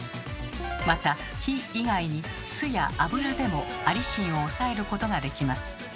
また火以外に酢や油でもアリシンを抑えることができます。